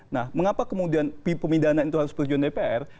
nah mengapa kemudian pemidana itu harus persetujuan dpr